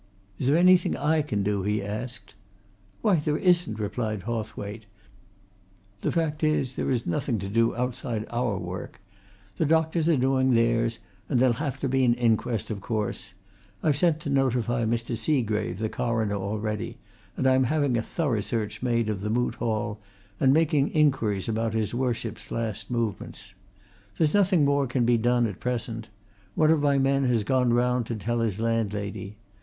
"Is there anything I can do?" he asked. "Why, there isn't," replied Hawthwaite. "The fact is, there is nothing to do outside our work. The doctors are doing theirs, and there'll have to be an inquest of course. I've sent to notify Mr. Seagrave, the coroner, already, and I'm having a thorough search made of the Moot Hall, and making inquiries about his Worship's last movements. There's nothing more can be done, at present. One of my men has gone round to tell his landlady.